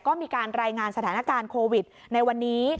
ก็มีการรายงานสถานการณ์โควิดในวันนี้